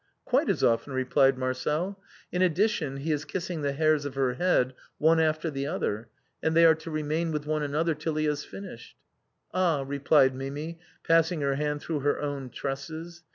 " Quite as often," replied Marcel. " In addition, he is kissing the hairs of her head one after the other, and they are to remain with one another till he has finished." " Ah !" replied Mimi, passing her hand through her own tresses.